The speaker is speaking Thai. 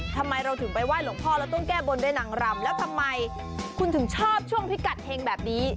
ทำไมเราถึงไปไห้หลวงพ่อแล้วต้องแก้บนด้วยนางรำแล้วทำไมคุณถึงชอบช่วงพิกัดเฮงแบบนี้